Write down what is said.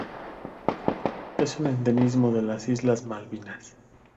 Es un endemismo de las Islas Malvinas.